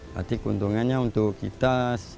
berarti keuntungannya untuk kita